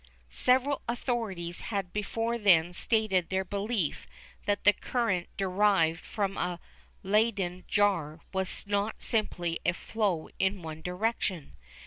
Several authorities had before then stated their belief that the current derived from a Leyden jar was not simply a flow in one direction.